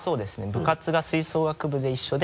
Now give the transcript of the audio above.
部活が吹奏楽部で一緒で。